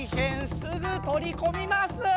すぐとりこみます！